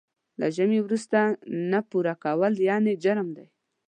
له ژمنې وروسته نه پوره کول یقیناً جرم دی.